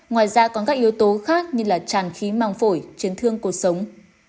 ngoài ra có các yếu tố khác như tràn khí mong phổi chấn thương cuộc sống